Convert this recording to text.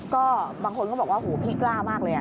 ก็บางคนก็บอกว่าหูพี่กล้ามากเลย